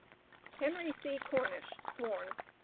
Henry C. Cornish, sworn.